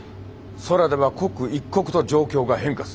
空では刻一刻と状況が変化する。